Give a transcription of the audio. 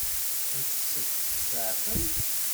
Ad tt-tseɛfemt?